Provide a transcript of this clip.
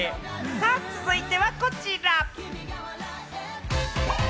さあ、続いてはこちら。